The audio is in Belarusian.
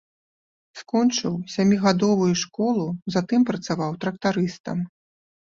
Скончыў сямігадовую школу, затым працаваў трактарыстам.